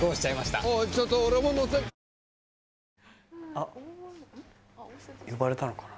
あっ呼ばれたのかな？